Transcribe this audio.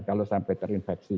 kalau sampai terinfeksi